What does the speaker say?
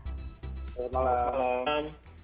selamat malam selamat malam selamat malam